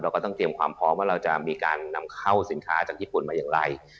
ก็ต้องเตรียมความพร้อมว่าเราจะมีการนำเข้าสินค้าจากญี่ปุ่นมาอย่างไร